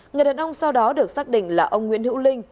người đàn ông sau đó được xác định là ông nguyễn hữu linh